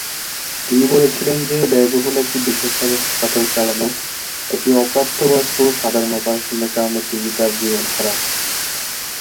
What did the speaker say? তিনি বলেছিলেন যে ব্যয়বহুল একটি বেসরকারী হাসপাতালে চালানো একটি অপ্রাপ্তবয়স্ক ও সাধারণ অপারেশনের কারণে তিনি তার জীবন হারান।